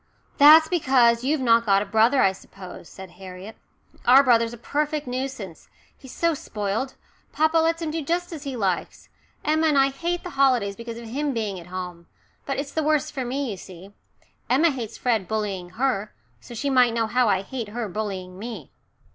"That's because you've not got a brother, I suppose," said Harriet. "Our brother's a perfect nuisance. He's so spoilt papa lets him do just as he likes. Emma and I hate the holidays because of him being at home. But it's the worst for me, you see. Emma hates Fred bullying her, so she might know I hate her bullying me."